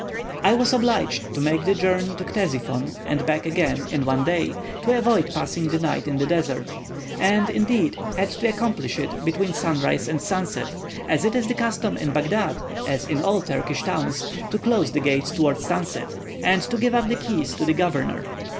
I was obliged to make the journey to Ctesiphon and back again in one day, to avoid passing the night in the desert; and, indeed, had to accomplish it between sunrise and sunset, as it is the custom in Baghdad, as in all Turkish towns, to close the gates towards sunset, and to give up the keys to the governor.